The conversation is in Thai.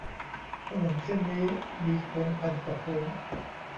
ถนนเส้นนี้มีโค้งพันกว่าโค้ง